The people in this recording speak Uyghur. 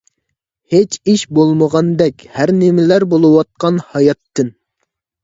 ھېچ ئىش بولمىغاندەك ھەر نىمىلەر بولىۋاتقان ھاياتتىن.